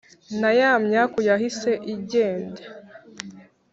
Na ya myaku yahise igende